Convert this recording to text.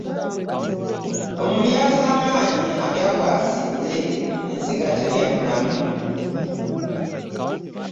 Omulyazaamaanyi alya gw'asinze ensega terya mulamu.